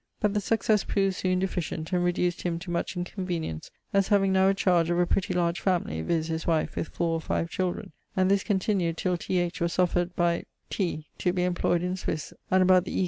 But the sucesse prov'd soon deficient, and reduced him to much inconvenience, as having now a charge of a pretty large family, viz. his wife with 4 or 5 children. And this continued till T. H. was offerd by Th. to be employed in Swisse and about the E.